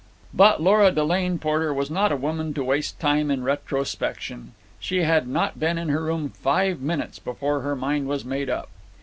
But Lora Delane Porter was not a woman to waste time in retrospection. She had not been in her room five minutes before her mind was made up.